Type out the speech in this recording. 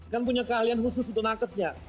kan punya keahlian khusus untuk nakesnya